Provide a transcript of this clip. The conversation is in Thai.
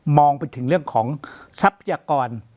องไปถึงเรื่องของทรัพยากร